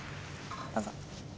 どうぞ。